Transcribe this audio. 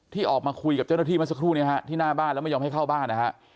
ที่ออกมาคุยกับเจ้าหน้าที่เมื่อสักครู่เนี่ยฮะที่หน้าบ้านแล้วไม่ยอมให้เข้าบ้านนะฮะ